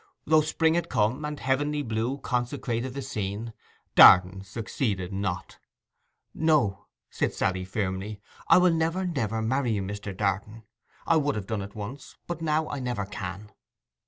Though spring had come, and heavenly blue consecrated the scene, Darton succeeded not. 'No,' said Sally firmly. 'I will never, never marry you, Mr. Darton. I would have done it once; but now I never can.